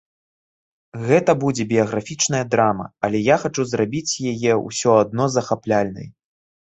Гэта будзе біяграфічная драма, але я хачу зрабіць яе ўсё адно захапляльнай.